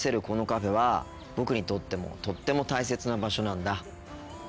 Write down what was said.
このカフェは僕にとってもとっても大切な場所なんだ。